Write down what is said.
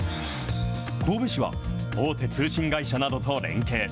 神戸市は、大手通信会社などと連携。